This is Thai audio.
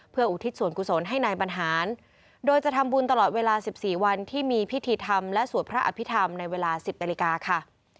เพื่ออุทิศส่วนกุศลให้นายบรรหารโดยจะทำบุญตลอดเวลา๑๔วันที่มีพิธีธรรมและสวดพระอภิษฐรรมในเวลา๑๐นาฬิกาค่ะ